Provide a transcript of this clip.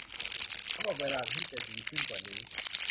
สำหรับเวลาที่จะดีขึ้นกว่านี้